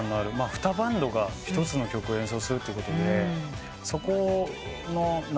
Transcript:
２バンドが１つの曲を演奏するってことでそこの妙と言いますか。